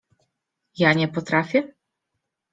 — Ja nie potrafię?